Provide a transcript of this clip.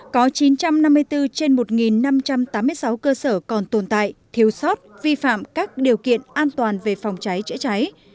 có chín trăm năm mươi bốn trên một năm trăm tám mươi sáu cơ sở còn tồn tại thiếu sót vi phạm các điều kiện an toàn về phòng cháy chữa cháy